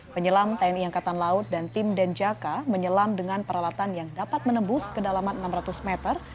penyelam tni angkatan laut dan tim denjaka menyelam dengan peralatan yang dapat menembus kedalaman enam ratus meter